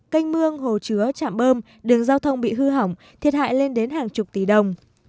canh mương hồ chứa chạm bơm đường giao thông bị hư hỏng thiệt hại lên đến hàng chục tỷ đồng